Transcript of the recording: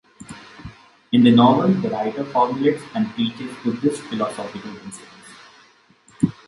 In the novel the writer formulates and preaches Buddhist philosophical principles.